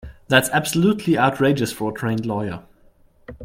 That's absolutely outrageous for a trained lawyer.